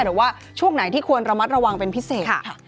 หรือว่าช่วงไหนที่ควรระมัดระวังเป็นพิเศษค่ะ